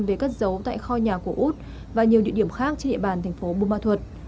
về các dấu tại kho nhà của út và nhiều địa điểm khác trên địa bàn thành phố bô ma thuật